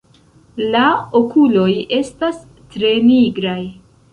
La okuloj estas tre nigraj.